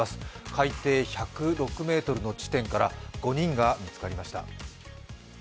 海底１０６ｍの地点から５人が見つかりました。